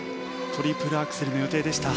トリプルアクセルの予定でした。